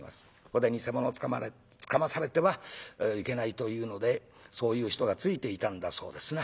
ここで偽物つかまされてはいけないというのでそういう人がついていたんだそうですな。